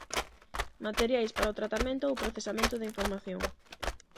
Materiais para o tratamento ou procesamento da información.